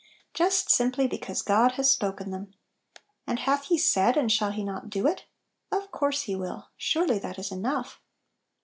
Just simply because God has spoken them! and "hath He said, and shall He not do it?" Of course he will! Surely that is enough